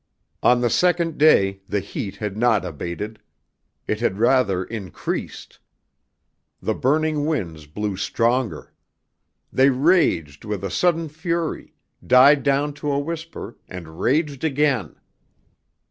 On the second day the heat had not abated. It had rather increased. The burning winds blew stronger. They raged with a sudden fury, died down to a whisper, and raged again.